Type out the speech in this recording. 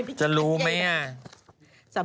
พี่ปุ้ยลูกโตแล้ว